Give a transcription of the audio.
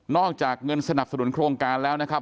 อกจากเงินสนับสนุนโครงการแล้วนะครับ